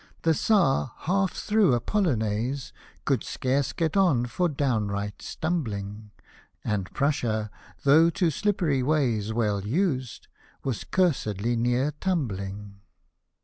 The Czar, half through a Polonaise, Could scarce get on for downright stumbling j And Prussia, though to slippery ways Well used, was cursedly near tumbling.